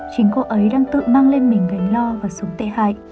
chính cô ấy đang tự mang lên mình gánh lo và sống tê hại